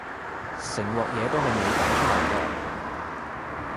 成鑊嘢都係你搞出嚟㗎